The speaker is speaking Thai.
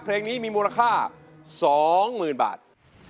เพลงนี้มีมูลค่า๒๐๐๐บาท